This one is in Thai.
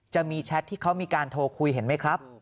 แชทที่เขามีการโทรคุยเห็นไหมครับ